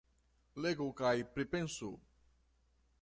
Legu kaj pripensu!